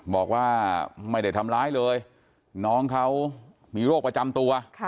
บอกว่าไม่ได้ทำร้ายเลยน้องเขามีโรคประจำตัว